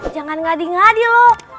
jangan ngadi ngadi loh